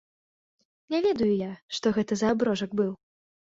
Не ведаю я, што гэта за аброжак быў.